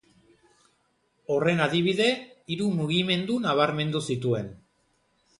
Horren adibide, hiru mugimendu nabarmendu zituen.